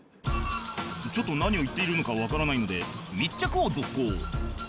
ちょっと何を言っているのかわからないので密着を続行